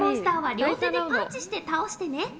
両手でパンチして倒してね。